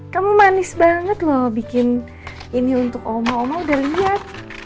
kamu manis banget loh bikin ini untuk oma oma udah lihat